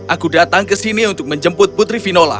aku datang ke sini untuk menjemput putri vinola